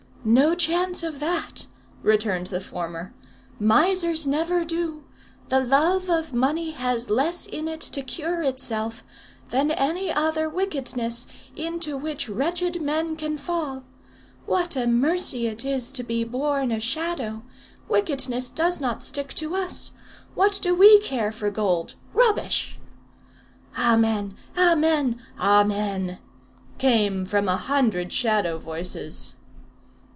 "No chance of that," returned the former. "Misers never do. The love of money has less in it to cure itself than any other wickedness into which wretched men can fall. What a mercy it is to be born a Shadow! Wickedness does not stick to us. What do we care for gold! Rubbish!" "Amen! Amen! Amen!" came from a hundred shadow voices.